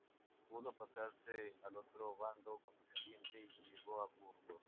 Pudo pasarse al otro bando contendiente y llegó a Burgos.